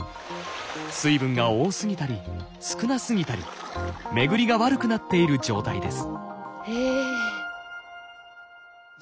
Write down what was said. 水分が多すぎたり少なすぎたり巡りが悪くなっている状態です。